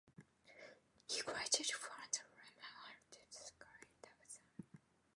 He graduated from the Imam Hatip school in Trabzon.